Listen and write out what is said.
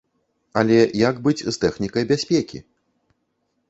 Але як быць з тэхнікай бяспекі?